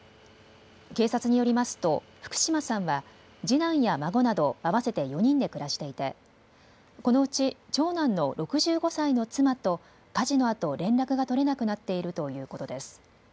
警察によりますと福島さんは次男や孫など合わせて４人で暮らしていてこのうち長男の６５歳の妻と火事のあと連絡が取れなくなっているということです。